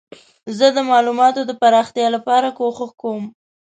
زه د معلوماتو د پراختیا لپاره کوښښ کوم.